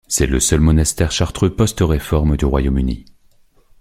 C'est le seul monastère chartreux post-réforme du Royaume-Uni.